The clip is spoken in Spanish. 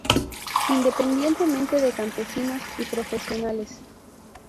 Independiente de Campesinos y Profesionales